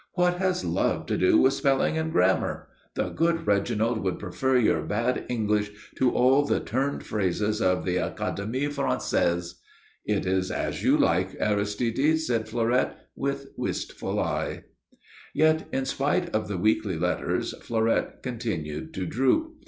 "What has love to do with spelling and grammar? The good Reginald would prefer your bad English to all the turned phrases of the Académie Française." "It is as you like, Aristide," said Fleurette, with wistful eyes. Yet, in spite of the weekly letters, Fleurette continued to droop.